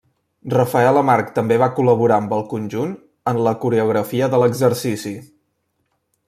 Rafael Amarg també va col·laborar amb el conjunt en la coreografia de l'exercici.